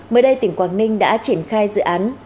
mới đây tỉnh quảng ninh đã triển khai dự án